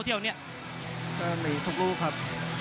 สวัสดีครับ